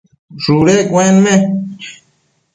shudu cuenme